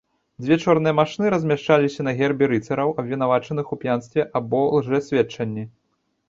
Дзве чорныя машны размяшчаліся на гербе рыцараў, абвінавачаных у п'янстве або лжэсведчанні.